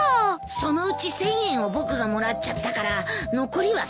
そのうち１，０００円を僕がもらっちゃったから残りは１，０００円。